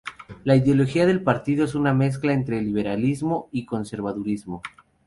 La ideología del partido es una mezcla entre liberalismo y conservadurismo.